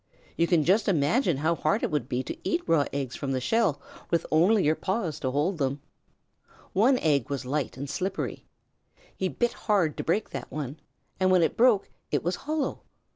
You can just imagine how hard it would be to eat raw eggs from the shell with only your paws in which to hold them. One egg was light and slippery. He bit hard to break that one, and when it broke it was hollow.